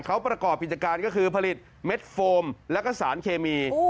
เขาประกอบกิจการก็คือผลิตเม็ดโฟมแล้วก็สารเคมี